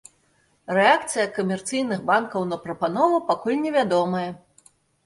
Рэакцыя камерцыйных банкаў на прапанову пакуль невядомая.